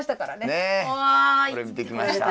これ見てきました。